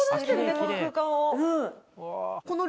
この空間を。